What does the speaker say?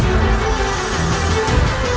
aku akan mencari dia